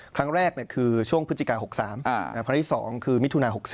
ครั้งแรกคือช่วงพฤศจิกา๖๓ครั้งที่๒คือมิถุนา๖๓